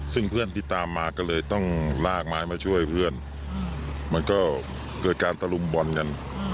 ซึ่งเพื่อนที่ตามมาก็เลยต้องลากไม้มาช่วยเพื่อนมันก็เกิดการตะลุมบอลกัน